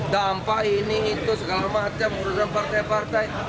dampak ini itu segala macam urusan partai partai